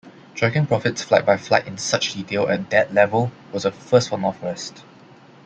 Tracking profits flight-by-flight in such detail at that level was a first for Northwest.